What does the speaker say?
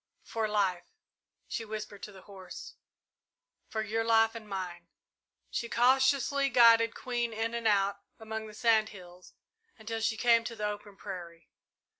"For life," she whispered to the horse; "for your life and mine!" She cautiously guided Queen in and out among the sand hills until she came to the open prairie.